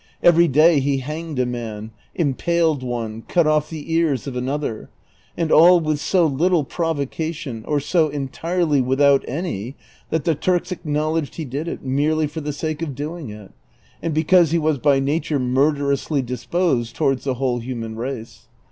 Every day ho hanged a man, impaled one, cut oft' the ears of another; and all with so little provocation, or so entirely without any, that the Turks acknowledged he did it merely for tlie sake of doing it, and because he was by nature murderously disposed towards the whole human race.